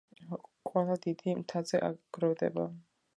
ყველა დიდ მთაზე გროვდება,